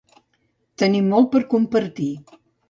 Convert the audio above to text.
Tenim molt per compartir.